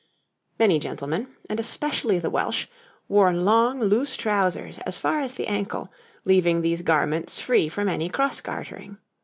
Many gentlemen, and especially the Welsh, wore long loose trousers as far as the ankle, leaving these garments free from any cross gartering.